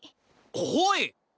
おい！